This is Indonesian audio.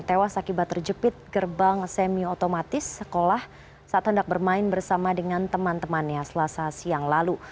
tewas akibat terjepit gerbang semi otomatis sekolah saat hendak bermain bersama dengan teman temannya selasa siang lalu